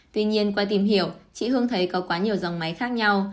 tuy nhiên qua tìm hiểu chị hương thấy có quá nhiều dòng máy khác nhau